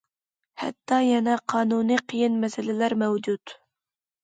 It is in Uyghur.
ھەتتا يەنە قانۇنىي قېيىن مەسىلىلەر مەۋجۇت.